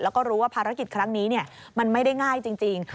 แล้วก็รู้ว่าภารกิจครั้งนี้มันไม่ได้ง่ายจริง